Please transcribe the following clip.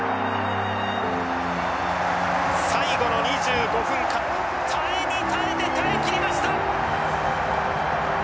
最後の２５分間耐えに耐えて耐えきりました。